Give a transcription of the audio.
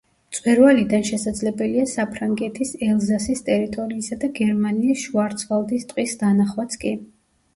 მწვერვალიდან შესაძლებელია საფრანგეთის ელზასის ტერიტორიისა და გერმანიის შვარცვალდის ტყის დანახვაც კი.